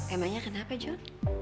emangnya kenapa jon